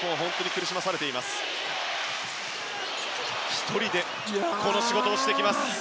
１人でこの仕事をしてきます。